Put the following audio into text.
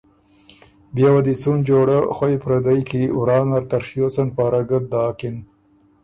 بيې وه دی څُون جوړۀ خوئ پردئ کی ورا نر ته ڒیوڅن پاره ګۀ داکِن۔